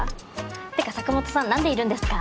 ってか坂本さん何でいるんですか？